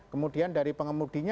kemudian dari pengemudinya